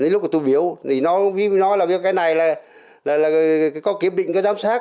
lúc tôi biểu thì nó nói là cái này là có kiểm định giám sát